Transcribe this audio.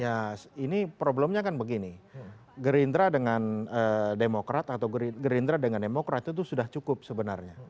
ya ini problemnya kan begini gerindra dengan demokrat atau gerindra dengan demokrat itu sudah cukup sebenarnya